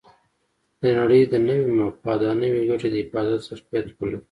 د نړۍ د نوي مفاد او نوې ګټې د حفاظت ظرفیت ولرو.